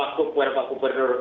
yang pertama adalah ekonomi bergerak